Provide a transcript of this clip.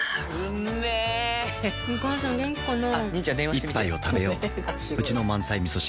一杯をたべよううちの満菜みそ汁